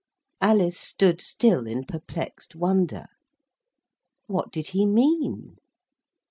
Alice stood still in perplexed wonder. What did he mean?